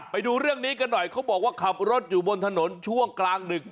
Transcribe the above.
ไปดูเรื่องนี้กันหน่อยเขาบอกว่าขับรถอยู่บนถนนช่วงกลางดึก